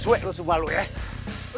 sweat lo semua luke ya